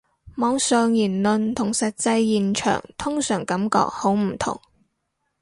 網上言論同實際現場通常感覺好唔同